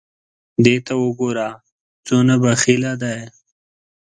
دې ته وګوره څونه بخیله ده !